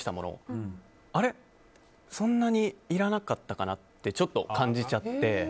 あれ、そんなにいらなかったかなってちょっと感じちゃって。